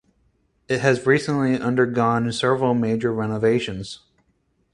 It has recently undergone several major renovations.